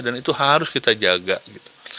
dan itu harus kita jaga gitu